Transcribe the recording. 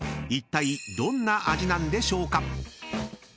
［いったいどんな味なんでしょうか？］